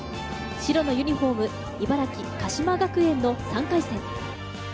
白のユニホーム・茨城、鹿島学園の３回戦。